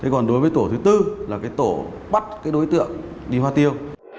còn đối với tổ thứ bốn là tổ bắt đối tượng đi hoa tiêu